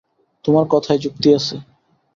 তোমার কথায় যুক্তি আছে।